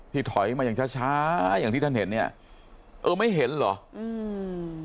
ถอยมาอย่างช้าช้าอย่างที่ท่านเห็นเนี้ยเออไม่เห็นเหรออืม